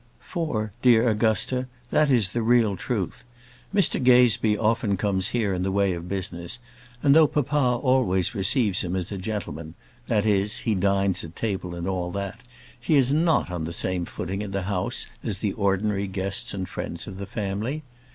For, dear Augusta, that is the real truth. Mr Gazebee often comes here in the way of business; and though papa always receives him as a gentleman that is, he dines at table and all that he is not on the same footing in the house as the ordinary guests and friends of the family.